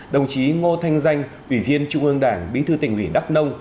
đồng chí ngô thanh danh ủy viên trung ương đảng bí thư tỉnh nguyễn đắc nông